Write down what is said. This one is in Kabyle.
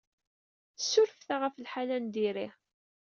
Ssurfet-aɣ ɣef lḥal-a n diri.